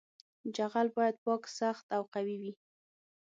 جغل باید پاک سخت او قوي وي